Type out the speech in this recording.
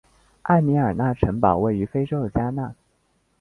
埃尔米纳城堡位于非洲的加纳。